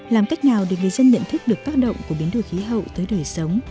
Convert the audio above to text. làm cách nào để người dân nhận thức được tác động của biến đổi khí hậu tới đời sống